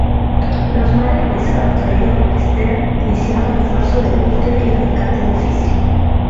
Los mares pesados traídos por Esther hicieron esfuerzos de búsqueda y rescate difícil.